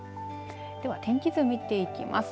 天気図を見ていきます。